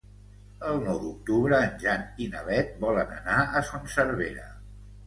El nou d'octubre en Jan i na Beth volen anar a Son Servera.